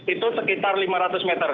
itu sekitar lima ratus meter